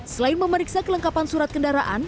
selain memeriksa kelengkapan surat kendaraan